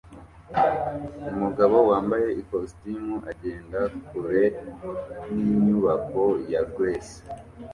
Umugabo wambaye ikositimu agenda kure yinyubako ya GRACE